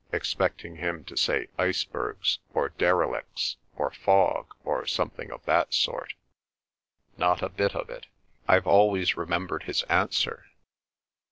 expecting him to say icebergs, or derelicts, or fog, or something of that sort. Not a bit of it. I've always remembered his answer.